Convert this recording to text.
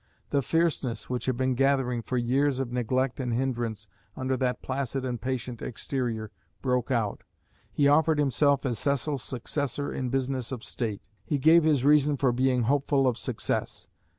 The fierceness which had been gathering for years of neglect and hindrance under that placid and patient exterior broke out. He offered himself as Cecil's successor in business of State. He gave his reason for being hopeful of success.